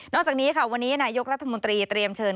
จากนี้ค่ะวันนี้นายกรัฐมนตรีเตรียมเชิญ